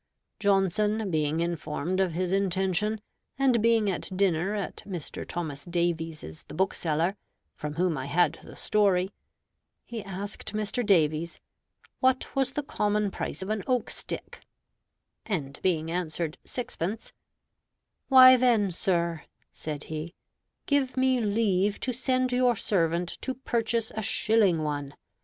Johnson being informed of his intention, and being at dinner at Mr. Thomas Davies's the bookseller, from whom I had the story, he asked Mr. Davies "what was the common price of an oak stick"; and being answered sixpence, "Why then, sir" (said he), "give me leave to send your servant to purchase a shilling one.